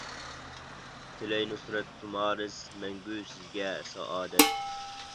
تىلەي نۇسرەت تۇمارىس، مەڭگۈ سىزگە سائادەت.